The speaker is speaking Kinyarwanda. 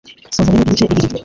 Soza rero ibice bibiri